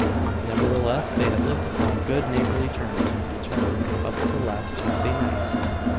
Nevertheless, they had lived upon good neighbourly terms with each other up to last Tuesday night.